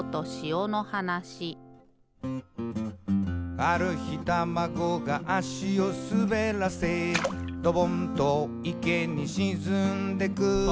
「ある日タマゴが足をすべらせ」「ドボンと池にしずんでく」